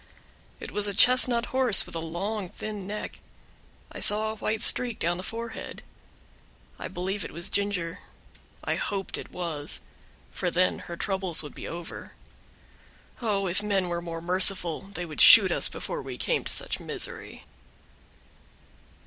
It was a chestnut horse with a long, thin neck. I saw a white streak down the forehead. I believe it was Ginger; I hoped it was, for then her troubles would be over. Oh! if men were more merciful they would shoot us before we came to such misery.